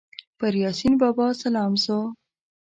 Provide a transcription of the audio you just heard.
پر یاسین بابا سلام سو